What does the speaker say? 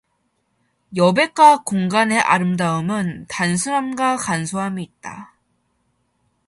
여백과 공간의 아름다움은 단순함과 간소함에 있다.